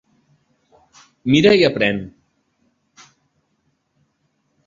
Mira i aprèn.